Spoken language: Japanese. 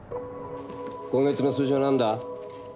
今月の数字は何だ？